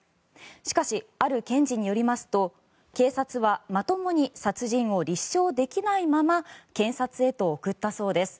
しかし、ある検事によりますと警察はまともに殺人を立証できないまま検察へと送ったそうです。